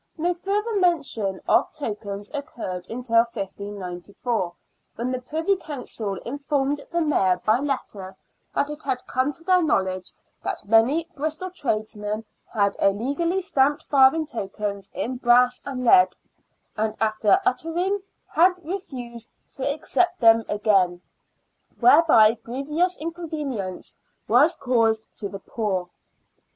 No further mention of tokens occurred until 1594, when the Privy Council informed the Mayor by letter that it had come to their knowledge that many Bristol tradesmen had illegally stamped farthing tokens in brass BRISTOL FARTHING. 71 and lead, and, after uttering, had refused to accept them again, whereby grievous inconvenience was caused to the poor.